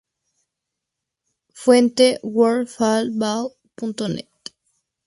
Fuente: "worldfootball.net"